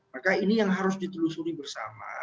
maka ini yang harus ditelusuri bersama